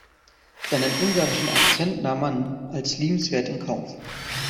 Seinen ungarischen Akzent nahm man als liebenswert in Kauf.